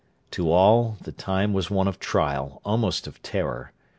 ] To all, the time was one of trial, almost of terror.